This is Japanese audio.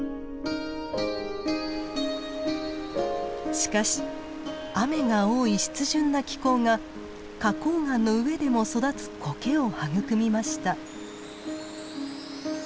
しかし雨が多い湿潤な気候が花こう岩の上でも育つコケを育みました。